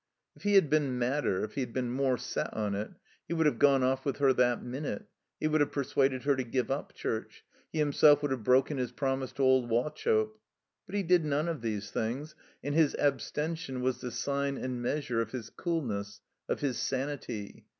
If he had been madder, if he'd been more set on it, he would have gone off with her that minute; he would have persuaded her to give up chtirch; he him self would have broken his promise to old Wauchope. But he did none of these things, and his abstention was the sign and measure of his coohiess, of his sanity.